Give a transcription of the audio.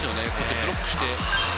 ブロックして。